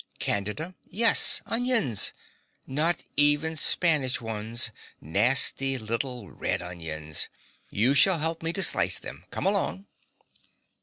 CANDIDA. Yes, onions. Not even Spanish ones nasty little red onions. You shall help me to slice them. Come along.